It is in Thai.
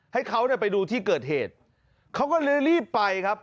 ให้เขาไปดูที่เกิดเหตุเขาก็รีบไปครับ